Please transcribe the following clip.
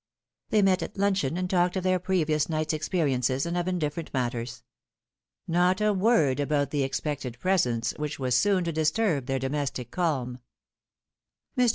They met at luncheon, and talked of their previous night's experiences, and of indifferent matters. Not a word about the expected presence which was so soon to disturb their domestic calm. Mr.